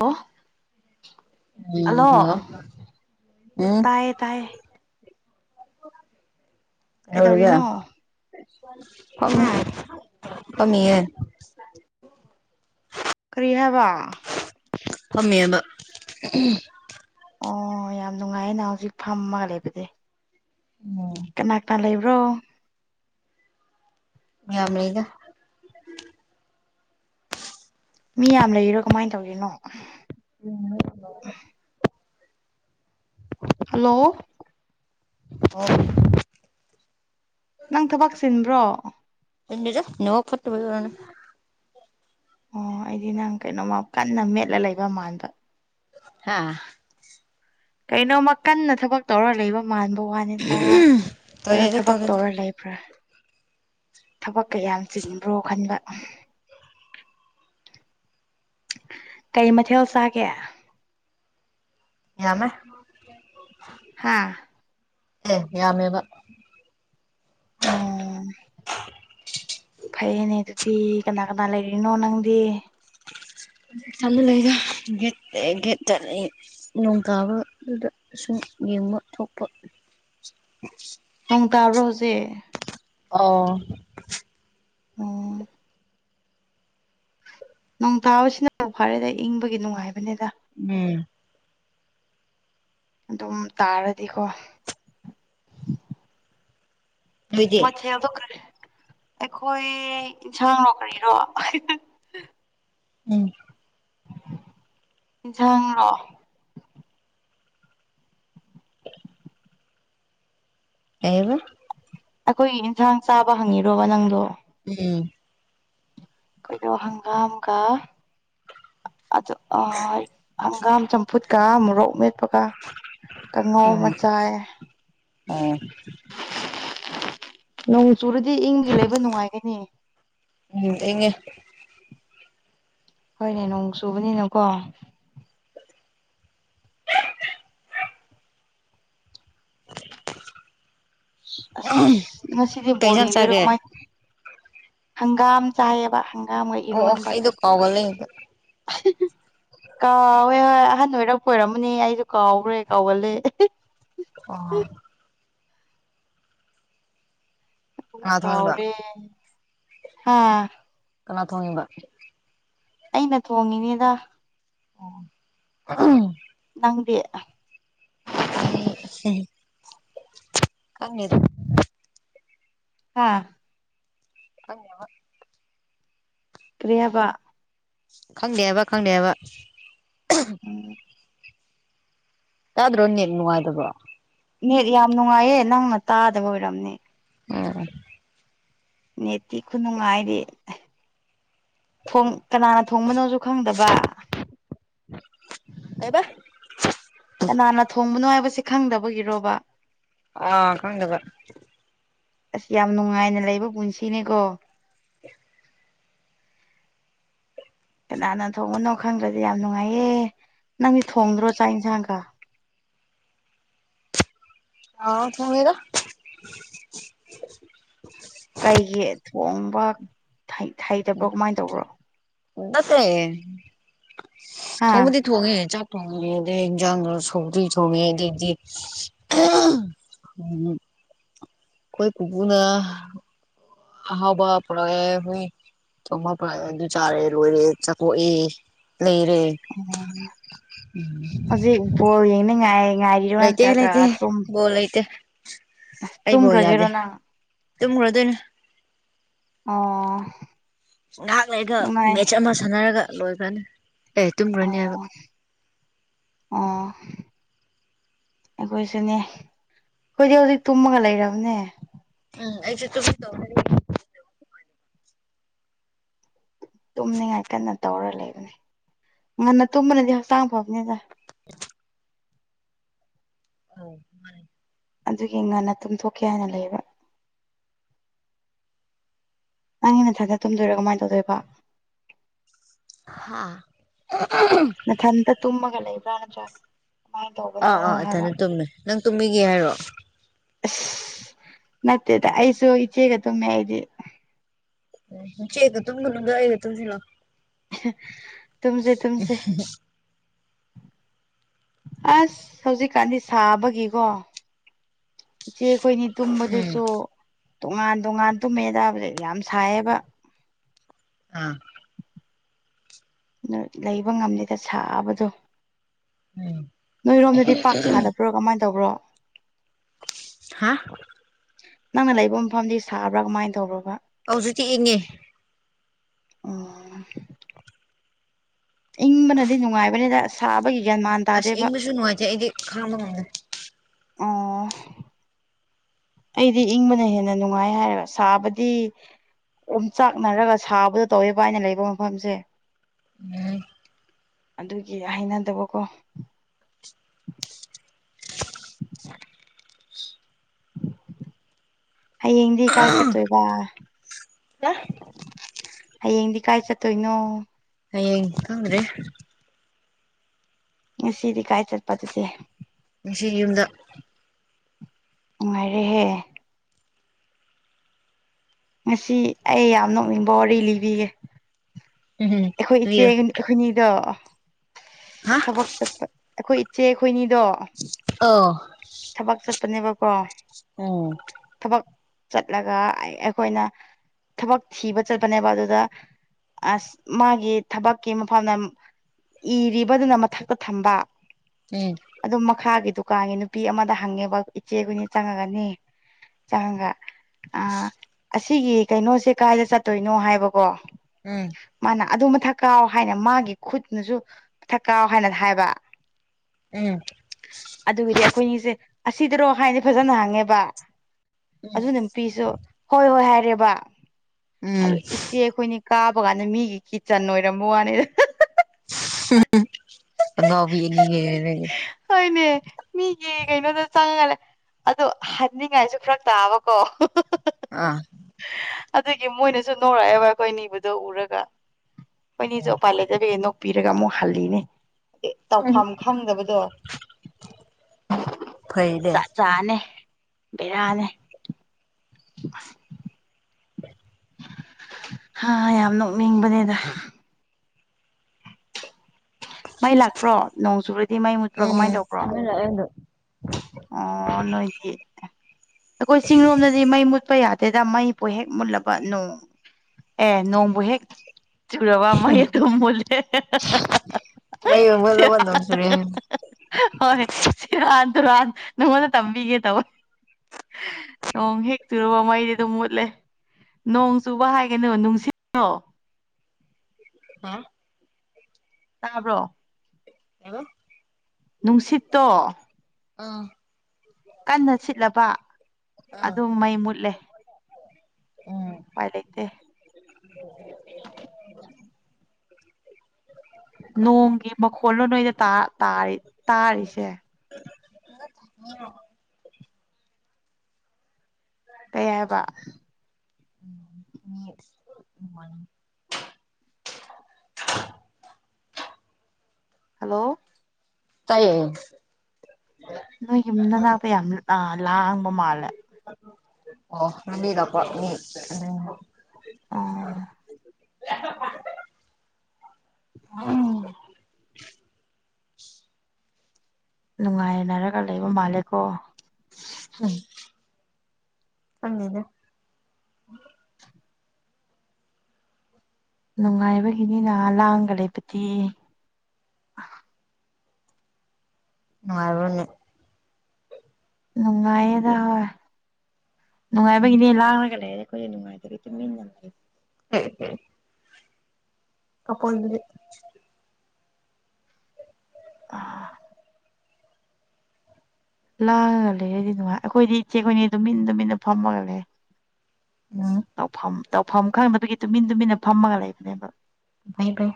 ꯑꯣ ꯍꯜꯂꯣ ꯎꯝ ꯇꯥꯏꯌꯦ ꯇꯥꯏꯌꯦ ꯀꯩꯗꯧꯔꯤꯒꯦ ꯀꯩꯗꯧꯔꯤꯅꯣ ꯐꯝꯃꯤ ꯍꯥ ꯇꯨꯝꯃꯤꯌꯦ ꯀꯔꯤ ꯍꯥꯏꯕ ꯐꯝꯃꯤꯌꯦꯕꯥ ꯑꯣ ꯌꯥꯝ ꯅꯨꯡꯉꯥꯏꯌꯦ ꯅ ꯍꯧꯖꯤꯛ ꯐꯝꯃꯒ ꯂꯩꯕꯗꯤ ꯑꯣ ꯀꯅꯥ ꯀꯅꯥ ꯂꯩꯕ꯭ꯔꯣ ꯝꯌꯥꯝ ꯂꯩꯗꯥ ꯃꯤ ꯌꯥꯝ ꯂꯩꯔꯣ ꯀꯃꯥꯏꯅ ꯇꯧꯔꯤꯅꯣ ꯎꯝ ꯊꯝꯕ [inaudible] ꯍꯜꯂꯣ ꯑꯣ ꯅꯪ ꯊꯕꯛ ꯆꯟꯕ꯭ꯔꯣ ꯗ ꯅꯣ ꯐꯠꯇꯕꯔꯅ ꯑꯣ ꯑꯩꯗꯤ ꯅꯪ ꯀꯩꯅꯣꯃ ꯀꯟꯅ ꯃꯦꯠꯂ ꯂꯩꯕ ꯃꯥꯟꯕ ꯍꯥꯥ ꯀꯩꯅꯣꯃ ꯀꯟꯅ ꯊꯕꯛ ꯇꯧꯔ ꯂꯩꯕ ꯃꯥꯟꯕ ꯋꯥꯅꯤꯗ ꯑꯗꯨꯗ ꯇꯣꯏꯂꯦꯠꯇ ꯊꯕꯛ ꯇꯣꯏꯂꯦꯠꯇ ꯇꯧꯔ ꯂꯩꯕ꯭ꯔꯥ ꯊꯕꯛ ꯀꯌꯥꯝ ꯆꯤꯟꯕ꯭ꯔꯣ ꯈꯟꯕ ꯀꯩ ꯃꯊꯦꯜ ꯆꯥꯒꯦ ꯌꯥꯃꯦ ꯍꯥꯥ ꯑꯦ ꯌꯥꯝꯃꯕ [unintelligible] ꯐꯩꯅꯦ ꯑꯗꯨꯗꯤ ꯀꯅꯥ ꯀꯅꯥ ꯂꯩꯔꯤꯅꯣ ꯅꯪꯗꯤ ꯆꯂ ꯂꯩꯒ ꯦꯠꯇꯦ ꯦꯠꯇ ꯂꯩ ꯅꯣꯡ ꯇꯥꯕꯗꯨꯗ ꯁꯨꯝ ꯌꯦꯡꯕ ꯊꯣꯛꯄ ꯅꯣꯡ ꯇꯥꯕ꯭ꯔꯣꯁꯦ ꯑ ꯑꯣ ꯅꯣꯡ ꯇꯥꯕꯁꯤꯅ ꯇꯧ ꯐꯥꯔꯦꯗ ꯏꯪꯕꯒꯤ ꯅꯨꯡꯉꯥꯏꯕꯅꯤꯗ ꯎꯝ ꯑꯗꯨꯝ ꯇꯥꯔꯗꯤꯀꯣ ꯅꯣꯏꯗꯤ ꯃꯊꯦꯜꯗꯣ ꯀꯔꯤ ꯑꯩꯈꯣꯏ ꯏꯟꯁꯥꯡꯅꯣ ꯀꯔꯤꯔꯣ ꯎꯝ ꯁꯤꯡꯪꯔꯣ ꯑꯕ ꯑꯩꯈꯣꯏꯒꯤ ꯌꯦꯟꯁꯥꯡ ꯆꯥꯕ ꯍꯪꯉꯤꯔꯣꯕ ꯅꯪꯗꯣ ꯎꯝ ꯀꯗꯣ ꯍꯪꯒꯥꯝꯒꯥ ꯑ ꯍꯪꯒꯥꯝ ꯆꯝꯐꯨꯠ ꯀ ꯃꯨꯣꯔꯣꯛꯃꯦ ꯀ ꯀꯥꯡꯉꯧ ꯃꯆꯥꯥꯏ ꯑꯥ ꯅꯣꯡ ꯆꯨꯔꯗꯤ ꯏꯪꯗꯤ ꯂꯩꯕ ꯅꯨꯡꯉꯥꯏꯒꯅꯤ ꯎꯝꯗꯤꯉ ꯍꯣꯏꯅꯦ ꯅꯣꯡ ꯆꯨꯕꯅꯤꯅꯀꯣ ꯑꯁ ꯉꯁꯤꯗꯤ ꯀꯩ ꯕꯣꯜ ꯏꯟꯖꯥꯡ ꯌꯦꯡꯗꯣꯏꯔ ꯆꯥꯒꯦ ꯀꯃꯥꯏ ꯍꯪꯒꯥꯝ ꯆꯥꯏꯌꯦꯕ ꯍꯪꯒꯥꯝꯒ ꯑꯣ ꯑꯣ ꯏꯔꯣꯟꯕꯒ ꯑꯩꯗ ꯀꯥꯎꯕꯂꯦꯗ ꯀꯥꯎꯋꯦ ꯍꯣꯏ ꯑꯍꯟ ꯑꯣꯏꯔꯞꯄ ꯑꯣꯏꯔꯝꯃꯅꯦ ꯑꯩꯁꯨ ꯀꯥꯎꯈ꯭ꯔꯦ ꯀꯥꯎꯒꯜꯂꯦ ꯑꯣ ꯀꯅꯥ ꯊꯣꯡꯉꯤꯕ ꯀꯥꯎꯔꯦ ꯍꯥꯥ ꯀꯅꯥ ꯊꯣꯡꯉꯤꯕ ꯑꯩꯅ ꯊꯣꯡꯉꯤꯅꯦꯗ ꯑ ꯅꯪꯗꯤ ꯎ ꯀꯪꯦꯗ ꯍꯥꯥ [unintelligible] ꯀꯔꯤꯍꯥꯏꯕ ꯈꯪꯗꯦꯕ ꯈꯪꯗꯦꯕ ꯎꯝ ꯑꯗ꯭ꯔꯣ ꯅꯦꯠꯅꯨꯡꯉꯥꯏꯇꯕꯔꯣ ꯅꯦꯠ ꯌꯥꯝ ꯅꯨꯡꯉꯥꯏꯌꯦ ꯅꯪꯅ ꯇꯥꯗꯕ ꯑꯣꯏꯔꯝꯅꯤ ꯎꯝ ꯅꯦꯇꯤ ꯈꯨꯅꯨꯡꯉꯥꯏꯔꯦ ꯊ ꯀꯅꯥꯅ ꯊꯣꯡꯕꯅꯣꯁꯨ ꯈꯪꯗꯕ ꯀꯥꯏꯕ ꯀꯅꯥꯅ ꯊꯣꯡꯕꯅꯣ ꯍꯥꯏꯕꯁꯦ ꯈꯪꯗꯕꯒꯤꯔꯣꯕ ꯑ ꯈꯪꯗꯕ ꯑꯁ ꯌꯥꯝ ꯅꯨꯡꯉꯥꯏꯅ ꯂꯩꯕ ꯄꯨꯟꯁꯤꯅꯦꯀꯣ ꯀꯅꯥꯅ ꯊꯣꯡꯕꯅꯣ ꯈꯪꯗ꯭ꯔꯗꯤ ꯌꯥꯝ ꯅꯨꯡꯉꯥꯏꯌꯦ ꯅꯪꯗꯤ ꯊꯣꯡꯗ꯭ꯔꯣ ꯆꯥꯛ ꯌꯦꯟꯁꯥꯡꯒ ꯑꯥꯎ ꯊꯣꯡꯉꯦꯗ ꯀꯩꯒꯤ ꯊꯣꯡꯕ ꯍꯩꯇꯕ꯭ꯔꯣ ꯀꯃꯥꯏꯅ ꯇꯧꯕ꯭ꯔꯣ ꯅꯠꯇꯦ ꯍꯥ ꯊꯣꯡꯕꯗꯤ ꯊꯣꯡꯉꯦ ꯆꯥꯛ ꯊꯣꯡꯉꯦ ꯑꯗꯩ ꯏꯟꯖꯥꯡꯗꯣ ꯁꯧꯗ꯭ꯔꯤ ꯊꯣꯡꯉꯦ ꯑꯗꯩꯗꯤ ꯎꯝ ꯈꯣꯏ ꯄꯨꯄꯨꯅ ꯍꯥꯎꯕ ꯄꯔꯒ ꯑꯦ ꯍꯣꯏ ꯆꯄ ꯑꯗꯨ ꯆꯥꯔꯦ ꯂꯣꯏꯔꯦ ꯆꯥꯛꯀꯣꯛꯑꯦ ꯂꯩꯔꯦ ꯑꯣ ꯍꯧꯖꯤꯛ ꯕꯣꯜ ꯌꯦꯡꯅꯤꯡꯉꯥꯏ ꯉꯥꯏꯔꯤꯔ ꯂꯩꯇꯦ ꯅꯠꯇ꯭ꯔꯒ ꯂꯩꯇꯦ ꯇꯨꯝ ꯕꯣꯜ ꯂꯩꯇꯦ ꯑꯩ ꯕꯣꯜ ꯌꯥꯗꯦ ꯅꯪ ꯇꯨꯝꯈ꯭ꯔꯗꯣꯏꯅꯦ ꯑꯣ ꯉꯥꯏꯍꯥꯛ ꯂꯩ ꯑꯩꯒ ꯅꯨꯡꯉꯥꯏ ꯃꯦꯠꯆ ꯑꯃ ꯁꯥꯟꯅꯔꯒ ꯂꯣꯏꯈ꯭ꯔꯅꯤ ꯑꯩ ꯑꯣ ꯇꯨꯝꯈ꯭ꯔꯅꯦꯕ ꯑꯣ ꯑꯩꯈꯣꯏꯁꯨꯅꯦ ꯑꯩꯈꯣꯏꯗꯤ ꯍꯧꯖꯤꯛ ꯇꯨꯝꯃꯒ ꯂꯩꯔꯕꯅꯦ ꯎꯝ ꯑꯩꯁꯨ ꯇꯨꯝ ꯇꯨꯝꯅꯤꯡꯉꯥꯏ ꯀꯟꯅ ꯇꯧꯔ ꯂꯩꯕꯅꯤ ꯉꯟꯅ ꯇꯨꯝꯕꯅꯗꯤ ꯍꯛꯆꯥꯡ ꯐꯕꯅꯤꯗ ꯑꯧ ꯃꯥ [unintelligible] ꯑꯗꯨꯒꯤ ꯉꯟꯅ ꯇꯨꯝꯊꯣꯛꯀꯦ ꯍꯥꯏꯅ ꯂꯩꯌꯦꯕ ꯅꯪꯒꯤ ꯅꯊꯜꯗ ꯇꯨꯝꯗꯣꯏꯔꯥ ꯀꯃꯥꯏ ꯇꯧꯗꯣꯏꯕ ꯍꯥ ꯃꯊꯜꯗ ꯇꯨꯝꯃꯒ ꯂꯩꯕ꯭ꯔ ꯅꯇ꯭ꯔ ꯑꯥ ꯑꯥ ꯏꯊꯅ ꯇꯨꯝꯃꯦ ꯅꯪ ꯇꯨꯝꯕꯤꯒꯦ ꯍꯥꯏꯔꯣ ꯑꯁ ꯅꯠꯇꯦꯗ ꯑꯩꯁꯨ ꯏꯆꯦꯒ ꯑꯗꯨꯃꯤ ꯑꯩꯗꯤ ꯏꯆꯦꯒ ꯇꯨꯝꯃꯨꯅꯨꯗ ꯑꯩꯒ ꯇꯨꯝꯁꯤ ꯂꯥꯎ ꯇꯨꯝꯁꯦ ꯇꯨꯝꯁꯦ ꯑꯁ ꯍꯧꯖꯤꯛꯀꯥꯟꯗꯤ ꯁꯥꯕꯒꯤꯀꯣ ꯏꯆꯦ ꯑꯩꯈꯣꯏꯅꯤ ꯎꯝ ꯇꯨꯝꯕꯗꯨꯁꯨ ꯇꯣꯉꯥꯟ ꯇꯣꯉꯥꯟ ꯇꯨꯝꯃꯦꯗ ꯍꯧꯖꯤꯛ ꯌꯥꯝ ꯁꯥꯏꯌꯦꯕ ꯑꯥ ꯂꯩꯕ ꯉꯝꯂꯦꯗ ꯁꯥꯕꯗꯣ ꯎꯝ ꯅꯣꯏꯔꯣꯝꯗꯗꯤ ꯄꯥꯛ ꯁꯥꯗꯕ ꯍ꯭ꯔꯣ ꯀꯃꯥꯏꯅ ꯇꯧꯕ꯭ꯔꯣ ꯍꯥꯥ ꯅꯪꯅ ꯂꯩꯕ ꯃꯐꯝꯗꯤ ꯁꯥꯕ꯭ꯔꯥ ꯀꯃꯥꯏꯅ ꯇꯧꯕ꯭ꯔꯕ ꯑꯖꯤꯛꯇꯤ ꯏꯪꯉꯦ ꯑꯣ [inaudible] ꯏꯪꯕꯅꯗꯤ ꯅꯨꯡꯉꯥꯏꯕꯅꯤꯗ ꯁꯥꯕꯒꯤ ꯖꯟ ꯃꯥꯟ ꯑꯁ ꯇꯥꯗꯦꯕ ꯑꯩꯕꯁꯨ ꯅꯨꯡꯉꯥꯏꯖꯩ ꯑꯩꯗꯤ ꯈꯥꯡꯕꯃꯝꯗ ꯑ ꯑꯩꯗꯤ ꯏꯪꯕꯅ ꯍꯦꯟꯅ ꯅꯨꯡꯉꯥꯏ ꯍꯥꯏꯔꯦꯕ ꯁꯥꯕꯗꯤ ꯑꯗꯨꯝ ꯆꯥꯛꯅꯔꯒ ꯁꯥꯕꯗꯣ ꯇꯧꯋꯦꯕ ꯍꯥꯏꯅ ꯂꯩꯕ ꯃꯐꯝꯁꯦ ꯑꯗꯨꯒꯤ ꯍꯩꯅꯗꯕꯀꯣ ꯍꯌꯦꯡꯗꯤ ꯀꯥꯏ ꯆꯠꯇꯣꯏꯕ ꯍꯌꯦꯡꯗꯤ ꯀꯥꯏ ꯆꯠꯇꯣꯏꯅꯣ ꯍꯌꯦꯡ ꯈꯪꯗꯦ ꯁꯤꯗꯤ ꯀꯥꯏ ꯆꯠꯄ ꯑꯗꯨꯗꯤ ꯃꯁꯤ ꯌꯨꯝꯗ ꯅꯨꯡꯉꯥꯏꯔꯦꯍꯦ ꯉꯁꯤ ꯑꯩ ꯌꯥꯝ ꯅꯣꯛꯅꯤꯡꯕ ꯋꯥꯔꯤ ꯂꯤꯕꯤꯒꯦ ꯎꯝ ꯑꯩꯈꯣꯏ ꯏꯆꯦ ꯂꯩꯌꯨ ꯑꯩꯈꯣꯏꯅꯤꯗꯣ ꯍꯥ ꯊꯕꯛ ꯆꯠꯄ ꯑꯩꯈꯣꯏ ꯏꯆꯦ ꯑꯩꯈꯣꯏꯅꯤꯗꯣ ꯑ ꯊꯕꯛ ꯆꯠꯄꯅꯦꯕꯀꯣ ꯎꯝ ꯊꯕꯛ ꯆꯠꯂꯒ ꯑꯩꯈꯣꯏꯅ ꯊꯕꯛ ꯊꯤꯕ ꯆꯠꯄꯅꯦꯕ ꯑꯗꯨꯗ ꯑꯁ ꯃꯥꯒꯤ ꯊꯕꯛꯀꯤ ꯃꯐꯝꯗ ꯏꯔꯤꯕꯗꯨꯅ ꯃꯊꯛꯇ ꯊꯝꯕ ꯎꯝ ꯑꯗꯨꯝ ꯃꯈꯥꯒꯤ ꯗꯨꯀꯥꯟꯒꯤ ꯅꯨꯄꯤ ꯑꯃꯗ ꯍꯪꯉꯦꯕ ꯏꯆꯦ ꯍꯣꯏꯅ ꯆꯪꯉꯒꯅꯤ ꯆꯦꯒ ꯑ ꯑꯁꯤꯒꯤ ꯀꯩꯅꯣꯁꯦ ꯀꯥꯏꯗ ꯆꯠꯇꯣꯏꯅꯣ ꯍꯥꯏꯕꯀꯣ ꯎꯝ ꯃꯥꯅ ꯑꯗꯨ ꯃꯊꯛ ꯀꯥꯎ ꯍꯥꯏꯅ ꯃꯥꯒꯤ ꯈꯨꯠꯅꯁꯨ ꯃꯊꯛ ꯀꯥꯎ ꯍꯥꯏꯅ ꯍꯥꯏꯕ ꯎꯝ ꯑꯗꯨꯒꯤꯗꯤ ꯑꯩꯈꯣꯏꯅꯤꯁꯦ ꯑꯁꯤꯗꯔꯣ ꯍꯥꯏꯗꯤ ꯐꯖꯅ ꯍꯪꯉꯦꯕ ꯎꯝ ꯑꯗꯨ ꯅꯨꯄꯤꯁꯨ ꯍꯣꯏ ꯍꯣꯏ ꯍꯥꯏꯔꯦꯕ ꯎꯝ ꯑꯗꯨ ꯁꯤ ꯑꯩꯈꯣꯏꯅ ꯀꯥꯕ ꯀꯥꯟꯗ ꯃꯤꯒꯤ ꯀꯤꯠꯆꯟ ꯑꯣꯏꯔꯝꯕ ꯋꯥꯅꯤꯗ ꯑꯣꯕꯤ ꯌꯦꯒ ꯍꯣꯏꯅꯦ ꯃꯤꯒꯤ ꯀꯩꯅꯣꯗ ꯆꯪꯉꯂꯦ ꯑꯗꯣ ꯍꯥꯏꯅꯤꯡꯉꯥꯏꯁꯨ ꯈꯔ ꯇꯥꯕꯀꯣ ꯑꯥ ꯑꯗꯨꯒꯤ ꯃꯣꯏꯅꯁꯨ ꯅꯣꯡꯔꯛꯑꯦꯕ ꯑꯩꯈꯣꯏ ꯅꯤꯗ ꯎꯔꯒ ꯃꯣꯏꯅꯤꯁꯨ ꯎꯄꯥꯏ ꯂꯩꯇꯕꯦ ꯅꯣꯛ ꯄꯤꯔꯒ ꯑꯃꯨꯛ ꯍꯜꯂꯤꯅꯦ ꯇꯧꯐꯝ ꯈꯪꯗꯕꯗꯣ ꯐꯩꯅꯦ ꯆꯥꯅꯦ ꯕꯦꯔꯥꯅꯦ [inaudible] ꯍ ꯍꯥ ꯌꯥꯝ ꯅꯣꯛꯅꯤꯡꯕꯅꯦꯗ ꯃꯩ ꯂꯥꯛꯄ꯭ꯔꯣ ꯅꯣꯡ ꯆꯨꯨꯔꯗꯤ ꯃꯩ ꯃꯨꯠꯄ꯭ꯔꯥ ꯀꯃꯥꯏꯅ ꯇꯧꯕ꯭ꯔꯣ ꯑꯗꯨ ꯑꯣ ꯅꯣꯏꯗꯤ ꯑꯩꯈꯣꯏ ꯆꯤꯂꯣꯝꯗꯗꯤ ꯃꯩ ꯃꯨꯠꯄ ꯌꯥꯗꯦ ꯑꯗꯨꯗ ꯃꯩꯄꯨ ꯍꯦꯛ ꯃꯨꯜꯂꯕ ꯅꯣꯡ ꯑꯦ ꯅꯣꯡꯕꯨ ꯍꯦꯛ ꯆꯨꯔꯕ ꯃꯩ ꯑꯗꯨꯝ ꯃꯨꯠꯂꯦ ꯃꯩ ꯑꯃꯨꯠꯂꯕ ꯅꯣꯡ ꯆꯨꯔꯦ ꯍꯣꯏ ꯁꯦ ꯔꯥꯟ ꯇꯨ ꯔꯥꯟ ꯅꯉꯣꯟꯗ ꯇꯝꯕꯤꯒꯦ ꯇꯧ ꯅꯣꯡ ꯍꯦꯛꯆꯨꯔꯕ ꯃꯩꯗꯤ ꯑꯗꯨꯝ ꯃꯨꯠꯂꯦ ꯅꯣꯡ ꯆꯨꯕ ꯍꯥꯏꯒꯅꯨ ꯅꯨꯡꯁꯤ ꯍꯥ ꯇꯥꯕ꯭ꯔꯣ ꯑꯦꯕ ꯅꯨꯡꯁꯤꯠꯇꯣ ꯑꯥ ꯀꯟꯅ ꯁꯤꯠꯂꯕ ꯑꯥ ꯑꯗꯨꯝ ꯃꯩ ꯃꯨꯠꯂꯦ ꯎꯝ ꯃꯥꯥꯏ ꯂꯩꯇꯦ ꯅꯣꯡꯒꯤ ꯃꯈꯣꯜꯂꯣ ꯅꯣꯏꯗꯇꯥ ꯇꯥꯔꯤꯁꯦ ꯫ [inaudible] ꯀꯩ ꯍꯥꯏꯕ ꯎꯝ ꯍꯜꯂꯣ ꯇꯥꯏꯌꯦ ꯅꯣꯏ ꯌꯨꯝꯗ ꯅꯥꯄ ꯌꯥꯝ ꯂꯥꯡꯕ ꯃꯥꯜꯂꯦ ꯑꯣ [unintelligible] ꯑꯣ ꯎꯝ ꯅꯨꯡꯉꯥꯏꯅꯔꯒ ꯂꯩꯕ ꯃꯥꯜꯂꯦꯀꯣ꯫ ꯎꯝ ꯈꯪꯗꯦꯗ ꯅꯨꯡꯉꯥꯏꯕꯒꯤꯅꯤꯅ ꯂꯥꯡꯉꯥꯒ ꯂꯩꯕꯗꯤ ꯅꯨꯡꯉꯥꯏꯕꯅꯦ ꯅꯨꯡꯉꯥꯏꯌꯦꯗ ꯍꯣꯏ ꯎꯝ ꯅꯨꯡꯉꯥꯏꯕꯒꯤꯅꯦ ꯂꯥꯡꯉꯒ ꯂꯩꯔꯦ꯫ ꯑꯩꯈꯣꯏꯗꯤ ꯅꯨꯡꯉꯥꯏꯇꯕꯩ ꯇꯨꯃꯤꯟꯅ ꯂꯩ [unintelligible] ꯑꯀꯣꯟꯕꯗ [inaudible] ꯂꯥꯡꯉꯒ ꯂꯩꯔꯗꯤ ꯅꯨꯡꯉꯥꯏ ꯑꯩꯈꯣꯏꯗꯤ ꯏꯆꯦꯈꯣꯏꯅꯤꯗꯤ ꯇꯨꯃꯤꯟ ꯇꯨꯃꯤꯟꯅ ꯐꯝꯃꯒ ꯂꯩꯔꯦ ꯫ ꯎꯝ ꯇꯧꯐꯝ ꯇꯧꯐꯝ ꯈꯪꯗꯕꯒꯤ ꯇꯨꯃꯤꯟ ꯇꯨꯃꯤꯟꯅ ꯐꯝꯃꯒ ꯂꯩꯕꯅꯦꯕ ꯫ ꯐꯩ ꯐꯩ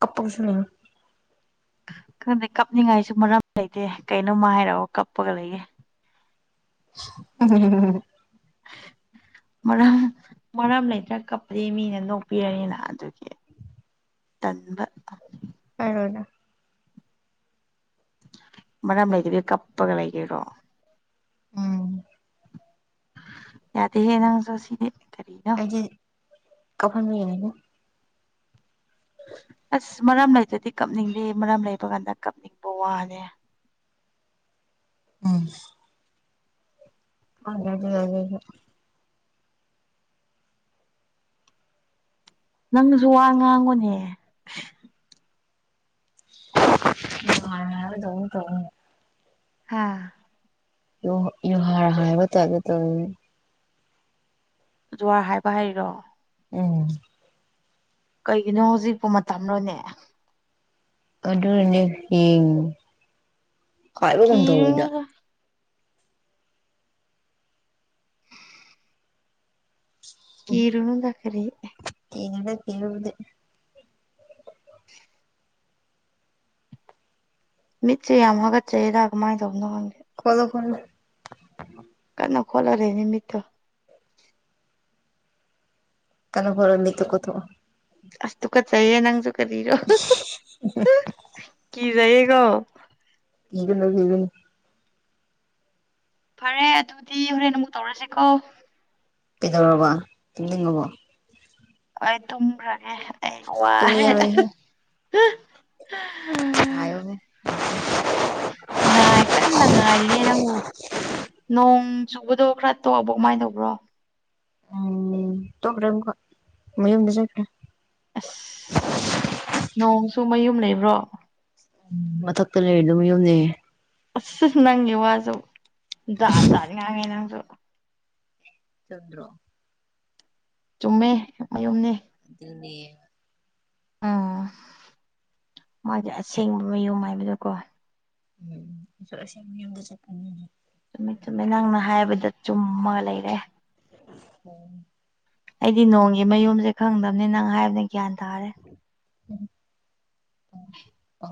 ꯀꯞꯄꯨꯁꯨꯅ ꯈꯪꯗꯦ ꯀꯞꯅꯤꯡꯉꯥꯏꯁꯨ ꯃꯔꯝ ꯂꯩꯇꯦ ꯀꯩꯅꯣꯝꯃ ꯍꯥꯏꯔꯒ ꯀꯞꯄꯒ ꯂꯩꯒꯦ ꯫ [unintelligible] [inaudible] ꯃꯔꯝ ꯃꯔꯝ ꯂꯩꯇ꯭ꯔꯥ ꯀꯞꯄꯗꯤ ꯃꯤꯅ ꯅꯣꯛꯄꯤꯔꯅꯤꯅ ꯑꯗꯨꯒꯤ ꯫ ꯇꯟꯕ ꯀꯔꯣꯅ ꯃꯔꯝ ꯂꯩꯇꯕꯤꯗ ꯀꯄꯄꯒ ꯂꯩꯒꯦꯔꯣ꯫ ꯎꯝ ꯌꯥꯗꯍꯦ ꯅꯪꯁꯨ ꯑꯁꯤꯗꯤ ꯀꯔꯤꯅꯣ ꯫ [unintelligible] [inaudible] ꯑꯁ ꯃꯔꯝ ꯂꯩꯇꯗꯤ ꯀꯞꯅꯤꯡꯗꯦ ꯃꯔꯝ ꯂꯩꯕ ꯀꯥꯟꯗ ꯀꯞꯅꯤꯡꯕ ꯋꯥꯅꯦ ꯫ ꯎꯝ ꯈꯪꯗꯦ [unintelligible] ꯑꯗꯨ ꯅꯪꯁꯨ ꯋꯥ ꯉꯥꯡꯉꯨꯅꯦ [unintelligible] ꯍꯥꯥ ꯌꯨ ꯌꯨꯍꯔ ꯍꯥꯏꯕ ꯇꯥꯏ ꯇꯧꯋꯤ ꯫ ꯖꯨꯋꯥꯔ ꯍꯥꯏꯕ ꯍꯥꯏꯔꯣ ꯫ ꯎꯝ ꯀꯩꯒꯤꯅꯣ ꯍꯧꯖꯤꯛꯄꯨ ꯃꯇꯝꯔꯣꯅꯦ ꯑꯗꯨꯔꯅꯦ ꯌꯦꯡ ꯍꯥꯏꯕ ꯀꯨꯝ ꯇꯧꯋꯤꯗ ꯀꯤꯔꯨꯅꯨꯗ ꯀꯤꯔꯨꯅꯨꯗ ꯀꯔꯤ ꯀꯤꯗꯦꯗ ꯀꯤꯕꯕꯨꯗꯤ ꯃꯤꯠꯁꯦ ꯌꯥꯝ ꯍꯥꯒꯠꯆꯩꯔ ꯀꯃꯥꯏꯅ ꯇꯧꯅꯣ ꯈꯪꯗꯦ ꯫ ꯀꯣꯂꯣ ꯐꯣꯂꯣ ꯀꯟꯅ ꯈꯣꯂꯔꯦꯅꯦ ꯃꯤꯠꯇꯣ ꯫ ꯀꯟꯅ ꯀꯣꯠꯂꯣ ꯃꯤꯠꯇꯣ ꯀꯣꯠꯊꯣꯛꯑꯣ ꯫ ꯑꯁ ꯇꯨ ꯀꯠꯆꯩꯌꯦ ꯅꯪꯁꯨ ꯀꯔꯤꯔꯣ ꯀꯤꯖꯩꯌꯦꯀꯣ ꯫꯫ ꯀꯤꯒꯅꯨ ꯀꯤꯒꯅꯨ ꯫ ꯐꯔꯦ ꯑꯗꯨꯗꯤ ꯍꯣꯔꯦꯟ ꯅꯪꯕꯨ ꯇꯧꯔꯁꯦꯀꯣ ꯄꯤꯗꯧꯔꯕ ꯇꯝꯅꯤꯡꯉꯕꯣ ꯑꯩ ꯇꯨꯝꯈ꯭ꯔꯒꯦ ꯑꯩ ꯋꯥꯔꯦ ꯇꯨꯝꯃꯤꯔꯣꯏꯍꯦ ꯅꯥꯏꯣ ꯃ ꯉꯥꯏ ꯀ ꯉꯥꯏꯅ ꯅꯣꯡ ꯆꯨꯕꯗꯣ ꯈꯔ ꯇꯣꯛꯑꯕꯣ ꯀꯃꯥꯏꯅ ꯇꯧꯕ꯭ꯔꯣ ꯎꯝ ꯇꯣꯛꯈ꯭ꯔꯥ ꯑꯃꯀꯣ ꯃꯌꯨꯝꯗ ꯆꯠꯈ꯭ꯔꯥ ꯑꯁ ꯅꯣꯡꯁꯨ ꯃꯌꯨꯝ ꯂꯩꯕ꯭ꯔꯣ ꯎꯝ ꯃꯊꯛꯇ ꯂꯩ ꯑꯗꯨꯝ ꯌꯨꯝꯗꯩ ꯑꯁ ꯅꯪꯒꯤ ꯋꯥꯁꯨ ꯖꯥꯠ ꯖꯥꯠ ꯉꯥꯡꯉꯦ ꯅꯪꯁꯨ ꯆꯟ꯭ꯔꯣ ꯆꯨꯝꯃꯦ ꯃꯌꯨꯝꯅꯤ ꯑꯗꯨꯅꯦ ꯎꯝ ꯃꯥꯒꯤ ꯑꯁꯦꯡꯕ ꯃꯌꯨꯝ ꯍꯥꯏꯕꯗꯣꯀꯣ ꯎꯝꯁ ꯃꯤ ꯌꯗ ꯆꯀꯔ ꯆꯨꯝꯃꯤ ꯆꯨꯝꯃꯤꯠ ꯅꯪꯅ ꯍꯥꯏꯕꯗ ꯆꯨꯝꯃꯒ ꯂꯩꯔꯦ ꯍ ꯑꯩꯗꯤ ꯅꯣꯡꯒꯤ ꯃꯌꯨꯝꯁꯦ ꯈꯪꯗꯕꯅꯤ ꯅꯪ ꯍꯥꯏꯕꯅ ꯒ꯭ꯌꯥꯟ ꯇꯥꯔꯦ ꯎ ꯑ